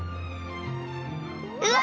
うわ！